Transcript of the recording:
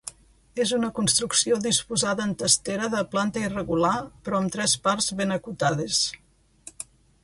És una construcció disposada en testera de planta irregular però amb tres parts ben acotades.